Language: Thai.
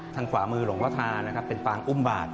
ทางขวามือหลวงพ่อทานะครับเป็นปางอุ้มบาท